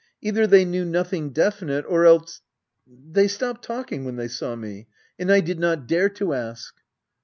Either they knew nothing definite, or else . They stopped talking when they saw me ; and I did not dare to ask.